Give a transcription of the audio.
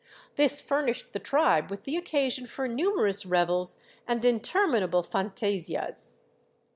This furnished the tribe with the occasion for numerous revels and interminable fantasias.